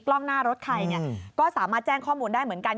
กล้องหน้ารถใครก็สามารถแจ้งข้อมูลได้เหมือนกัน